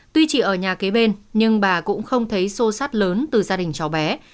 tuy chỉ ở nhà kế bên nhưng bà cũng không thấy sô sát lớn từ gia đình cháu bé